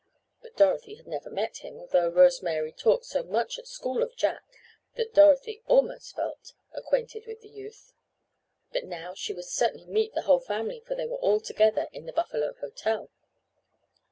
But Dorothy had never met him, although Rose Mary talked so much at school of Jack, that Dorothy almost felt acquainted with the youth. But now she would certainly meet the family for they were all together at the Buffalo hotel.